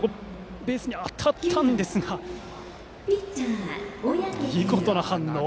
ベースに当たったんですが見事な反応。